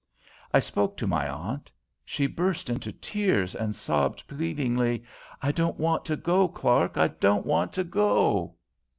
I spoke to my aunt. She burst into tears and sobbed pleadingly. "I don't want to go, Clark, I don't want to go!"